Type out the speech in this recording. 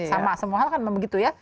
sama semua hal kan memang begitu ya